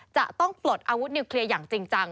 จะต้องปลดอาวุธนิวเคลียร์อย่างจริงจัง